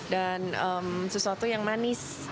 dan sesuatu yang manis